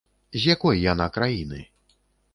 З якой яна краіны?